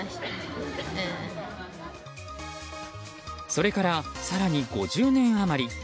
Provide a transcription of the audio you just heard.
それから、更に５０年余り。